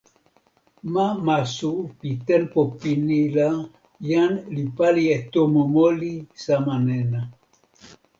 ma Masu pi tenpo pini la jan li pali e tomo moli sama nena.